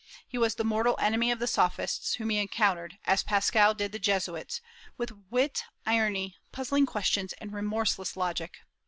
He was the mortal enemy of the Sophists, whom he encountered, as Pascal did the Jesuits, with wit, irony, puzzling questions, and remorseless logic.